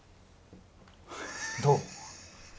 どう？